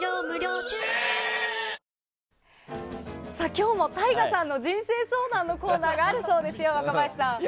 今日もＴＡＩＧＡさんの人生相談のコーナーがあるそうですよ、若林さん。